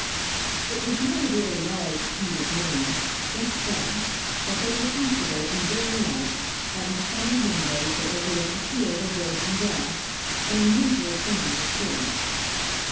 It was not a very large suite of rooms–just seven, but they were comfortable and very light, having side windows that overlooked a field of waving grass, an unusual thing in the city.